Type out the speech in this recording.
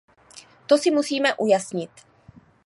To si musíme ujasnit.